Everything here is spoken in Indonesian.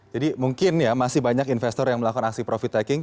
jadi mungkin ya masih banyak investor yang melakukan aksi profit taking